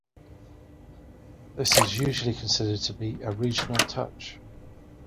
This is usually considered to be a regional touch.